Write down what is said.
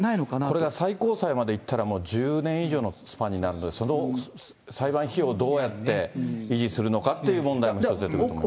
これが最高裁までいったら、１０年以上のスパンになるので、その裁判費用をどうやって維持するのかっていう問題も一つ。